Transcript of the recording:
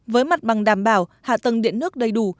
với mặt bằng đảm bảo hạ tầng điện nước đầy đủ